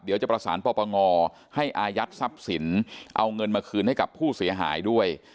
เดี๋ยวจะประสานปปงให้อายัดทรัพย์สินเอาเงินมาคืนให้กับผู้เสียหายด้วย